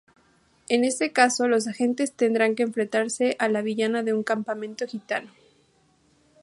Este caso, los agentes tendrán que enfrentarse a la villana de un campamento gitano.